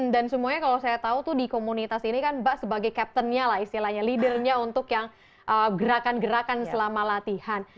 dan semuanya kalau saya tahu tuh di komunitas ini kan mbak sebagai captain nya lah istilahnya leadernya untuk yang gerakan gerakan selama latihan